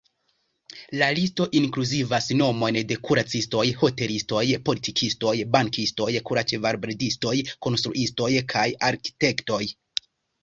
La listo inkluzivas nomojn de kuracistoj, hotelistoj, politikistoj, bankistoj, kurĉevalbredistoj, konstruistoj kaj arkitektoj.